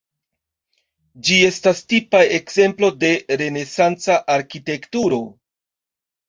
Ĝi estas tipa ekzemplo de renesanca arkitekturo.